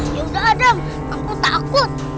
ya udah dong aku takut